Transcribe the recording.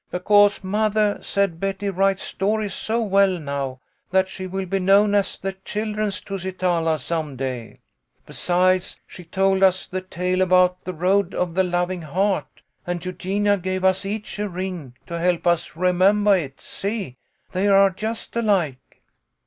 " Because mothah said Betty writes stories so well now, that she will be known as the children's Tusi. 122 THE LITTLE COLONEL'S HOLIDAYS. tala some day. Besides, she told us the tale about the Road of the Loving Heart, and Eugenia gave us each a ring to help us remembah it. See ? They are just alike."